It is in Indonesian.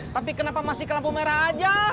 tapi kenapa masih ke lampu merah aja